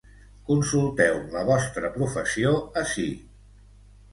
Consulteu la vostra professió ací.